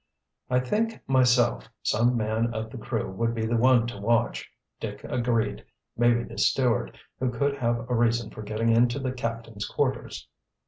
"I think, myself, some man of the crew would be the one to watch," Dick agreed. "Maybe the steward, who could have a reason for getting into the captain's quarters."